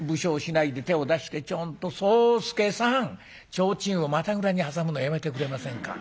提灯を股ぐらに挟むのやめてくれませんか。